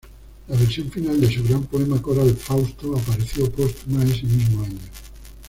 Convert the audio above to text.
La versión final de su gran poema coral "Fausto" apareció póstuma ese mismo año.